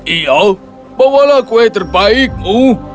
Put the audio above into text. iya bawalah kue terbaikmu